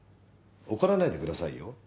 怒らないでくださいよ。